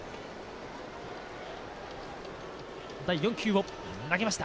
第４球を投げました。